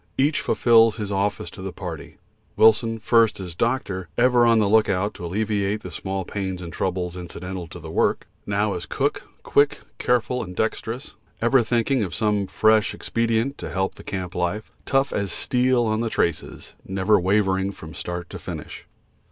Each fulfils his office to the party; Wilson, first as doctor, ever on the lookout to alleviate the small pains and troubles incidental to the work, now as cook, quick, careful and dexterous, ever thinking of some fresh expedient to help the camp life; tough as steel on the traces, never wavering from start to finish.